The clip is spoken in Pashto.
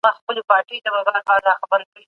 ژوند د هر چا لپاره یو مساوي الهي نعمت دی.